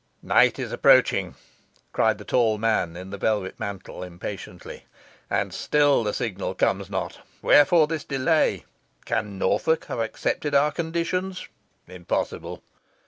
"Night is approaching," cried the tall man in the velvet mantle, impatiently; "and still the signal comes not. Wherefore this delay? Can Norfolk have accepted our conditions? Impossible.